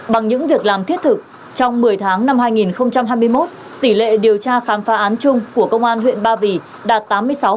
bằng những việc làm thiết thực trong một mươi tháng năm hai nghìn hai mươi một tỷ lệ điều tra khám phá án chung của công an huyện ba vì đạt tám mươi sáu